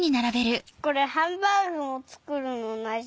これハンバーグも作るの同じ？